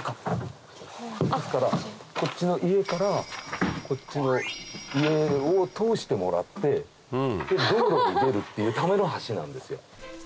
ですからこっちの家からこっちの家を通してもらって道路に出るっていうための橋なんですよ。